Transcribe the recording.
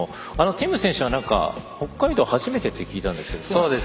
ティム選手は北海道初めてって聞いたんですけど。